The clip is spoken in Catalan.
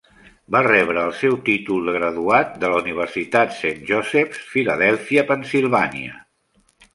Va rebre el seu títol de graduat de la Universitat Saint Joseph's, Filadèlfia, Pennsilvània.